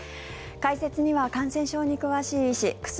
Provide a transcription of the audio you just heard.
解説には感染症に詳しい医師久住